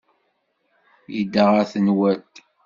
Yedda ɣer tenwalt.